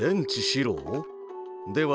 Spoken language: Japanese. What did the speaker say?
では